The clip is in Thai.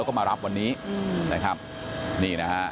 ขอบคุณทุกคน